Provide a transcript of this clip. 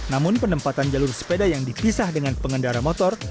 namun penempatan jalur sepeda yang dipisah dengan pengendara motor